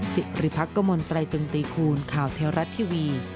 สิริภักษ์กระมวลไตรตึงตีคูณข่าวเทียวรัฐทีวี